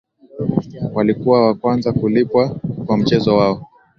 walikuwa wa kwanza kulipwa kwa mchezo wao